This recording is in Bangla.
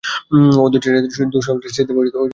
অদ্বৈতাচার্যের দু সহধর্মিনী: শ্রীদেবী ও সীতাদেবী।